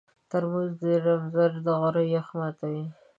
ترموز د زمهر د غره یخ ماتوي.